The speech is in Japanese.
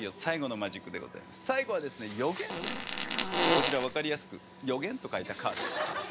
こちら分かりやすく「予言」と書いたカード。